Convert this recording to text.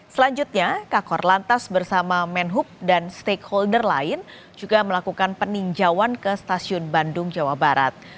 selanjutnya kakor lantas bersama menhub dan stakeholder lain juga melakukan peninjauan ke stasiun bandung jawa barat